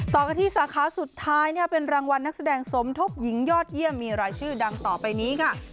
ต่อกันที่สาขาสุดท้ายเป็นรางวัลนักแสดงสมทบหญิงยอดเยี่ยมมีรายชื่อดังต่อไปนี้ค่ะ